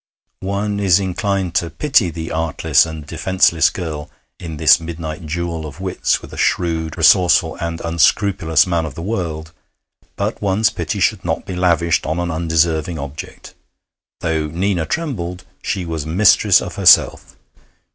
One is inclined to pity the artless and defenceless girl in this midnight duel of wits with a shrewd, resourceful, and unscrupulous man of the world. But one's pity should not be lavished on an undeserving object. Though Nina trembled, she was mistress of herself.